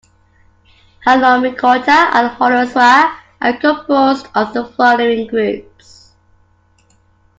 Holomycota and Holozoa are composed of the following groups.